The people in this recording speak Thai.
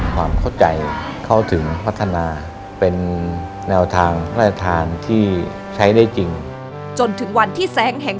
ความเข้าใจเขาถึงพัฒนาเป็นแนวทางพระราชทานที่ใช้ได้จริงจนถึงวันที่แสงแห่ง